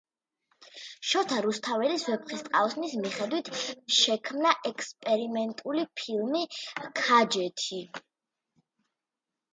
შოთა რუსთაველის „ვეფხისტყაოსანის“ მიხედვით შექმნა ექსპერიმენტული ფილმი— „ქაჯეთი“.